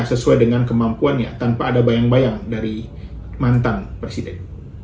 sesuai dengan kemampuannya tanpa ada bayang bayang dari mantan presiden